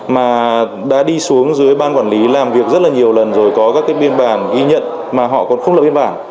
mà đã đi xuống dưới ban quản lý làm việc rất là nhiều lần rồi có các biên bản ghi nhận mà họ còn không lập biên bản